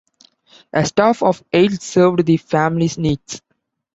A staff of eight served the family's needs.